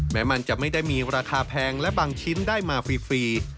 แม้มันจะไม่ได้มีราคาแพงและบางชิ้นได้มาฟรี